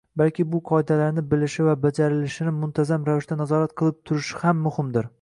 balki bu qoidalarni bilishi va bajarilishini muntazam ravishda nazorat qilib turish ham muhimdir.